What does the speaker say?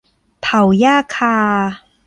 เผาหญ้าคา